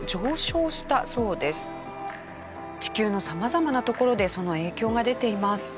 地球の様々な所でその影響が出ています。